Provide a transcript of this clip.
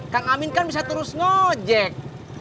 kang amin kan bisa terus ngojek